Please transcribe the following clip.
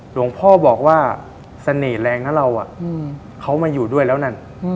หลวงพ่อบอกว่าเสน่ห์แรงนะเราเขามาอยู่ด้วยแล้วนั่น